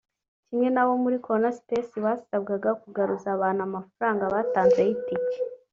kimwe n'abo muri Corona Space basabwaga kugaruza abantu amafaranga batanze y'itike